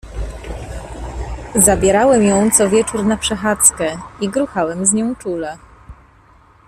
"Zabierałem ją co wieczór na przechadzkę i gruchałem z nią czule."